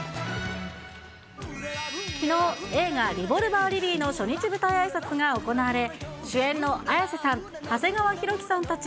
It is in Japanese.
きのう、映画、リボルバー・リリーの初日舞台あいさつが行われ、主演の綾瀬さん、長谷川博己さんたち